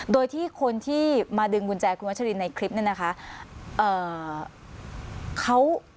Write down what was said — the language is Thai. โดยที่คนที่มาดึงกุญแจคุณวัชรินในคลิปเนี่ยนะคะ